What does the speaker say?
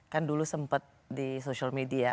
kan dulu sempat di social media